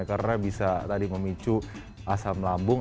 karena bisa tadi memicu asam lambung